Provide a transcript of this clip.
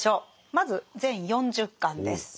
まず全４０巻です。